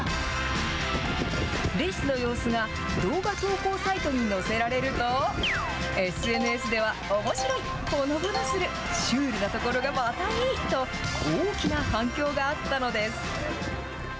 レースの様子が、動画投稿サイトに乗せられると、ＳＮＳでは、おもしろい、ほのぼのする、シュールなところがまたいいと、大きな反響があったのです。